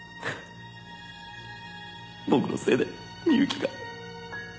僕のせいで深雪が。